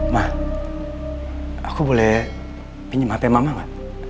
mah aku boleh pinjem hp mama